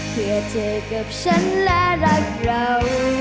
เพื่อเจอกับฉันและรักเรา